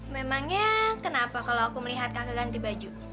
memangnya kenapa kalau aku melihat kakak ganti baju